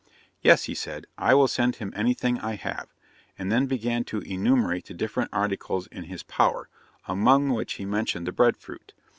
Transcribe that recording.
'Yes,' he said, 'I will send him anything I have;' and then began to enumerate the different articles in his power, among which he mentioned the bread fruit.